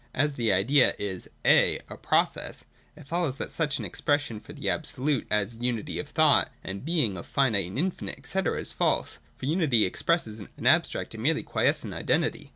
As the idea is (a) a process, it follows that such an ex pression for the Absolute as unity of thought and being, of finite and infinite, &c. is false; for unity expresses an abstract and merely quiescent identity.